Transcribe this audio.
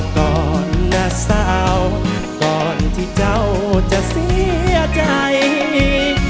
ก่อนหน้าเสาก่อนที่เจ้าจะเสียใจ